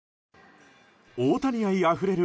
大谷愛あふれる